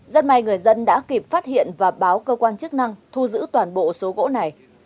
rất may người dân đã kịp phát hiện và báo cơ quan chức năng thu giữ toàn bộ số gỗ này